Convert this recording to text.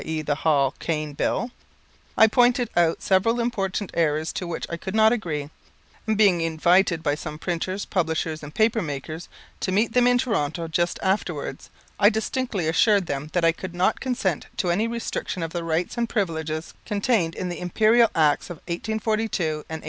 e., the Hall Caine Bill), I pointed out several important errors to which I could not agree; and being invited by some printers, publishers, and papermakers to meet them in Toronto just afterwards, I distinctly assured them that I could not consent to any restriction of the rights and privileges contained in the Imperial Acts of 1842 and 1886."